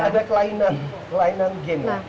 ada kelainan gen